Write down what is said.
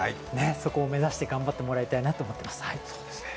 そこを目指して頑張ってもらいたいなと思ってますそうですね